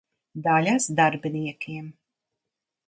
Daļas darbiniekiem.